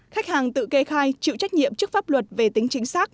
khách hàng tự kê khai chịu trách nhiệm trước pháp luật về tính chính xác